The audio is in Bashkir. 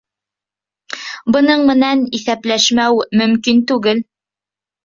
Бының менән иҫәпләшмәү мөмкин түгел.